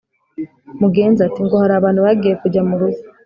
Mugenza ati"ngo harabantu bagiye kujya murugo